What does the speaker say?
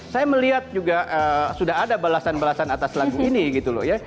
saya melihat juga sudah ada balasan balasan atas lagu ini gitu loh ya